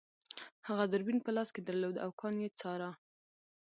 هغه دوربین په لاس کې درلود او کان یې څاره